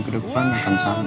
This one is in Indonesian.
tidak ada yang takut